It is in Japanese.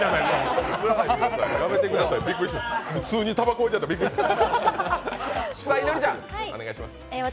普通にたばこおいてあってびっくりした。